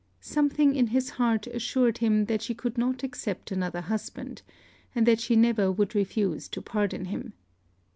Something in his heart assured him that she could not accept another husband, and that she never would refuse to pardon him.